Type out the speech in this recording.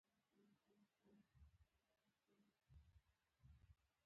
د ورځې یوولس بجې خدای پاماني وکړه.